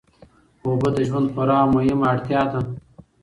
اوبه د ژوند خورا مهمه اړتیا ده.